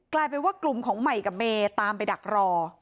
กลายเป็นว่ากลุ่มของใหม่กับเมย์ตามไปดักรอ